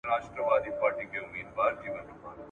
هغه زه یم چي په ټال کي پیغمبر مي زنګولی !.